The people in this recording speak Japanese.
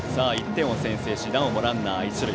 １点を先制しなおもランナー、一塁。